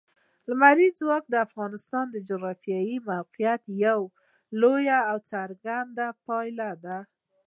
لمریز ځواک د افغانستان د جغرافیایي موقیعت یوه لویه او څرګنده پایله ده.